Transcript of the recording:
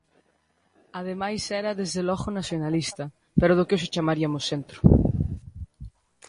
Ademais, era, desde logo, nacionalista, pero do que hoxe chamariamos centro.